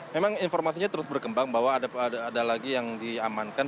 memang informasinya terus berkembang bahwa ada lagi yang diamankan